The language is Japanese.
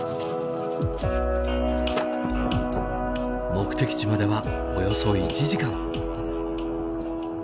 目的地まではおよそ１時間。